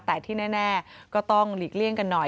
แต่ที่แน่ก็ต้องหลีกเลี่ยงกันหน่อย